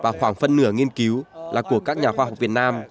và khoảng phân nửa nghiên cứu là của các nhà khoa học việt nam